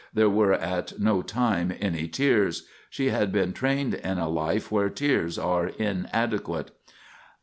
There were at no time any tears. She had been trained in a life where tears are inadequate.